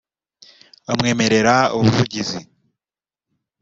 amwemerera ubuvugizi